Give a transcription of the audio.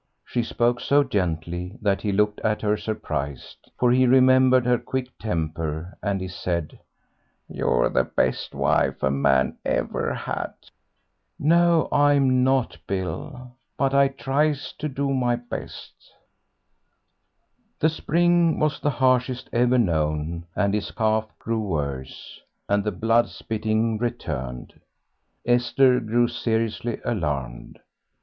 She spoke so gently that he looked at her surprised, for he remembered her quick temper, and he said, "You're the best wife a man ever had." "No, I'm not, Bill, but I tries to do my best." The spring was the harshest ever known, and his cough grew worse and the blood spitting returned. Esther grew seriously alarmed.